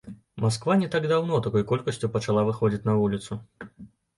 Масква не так даўно такой колькасцю пачала выходзіць на вуліцу.